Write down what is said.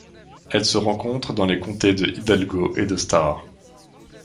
Elle se rencontre dans les comtés de Hidalgo et de Starr.